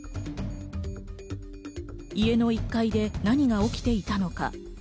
家の１階で何が起きていたのか。